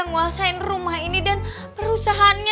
menguasai rumah ini dan perusahaannya